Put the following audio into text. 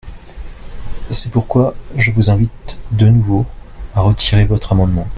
C’est pourquoi je vous invite de nouveau à retirer votre amendement.